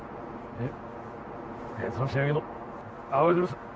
えっ？